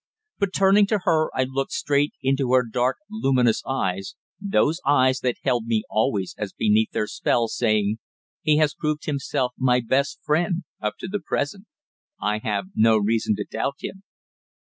But turning to her I looked straight into her dark luminous eyes, those eyes that held me always as beneath their spell, saying: "He has proved himself my best friend, up to the present. I have no reason to doubt him."